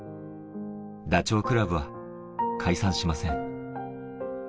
ダチョウ倶楽部は解散しません。